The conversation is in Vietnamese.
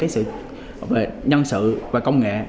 sự nhân sự và công nghệ